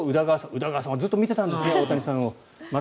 宇田川さんはずっと見てたんですね大谷さんを。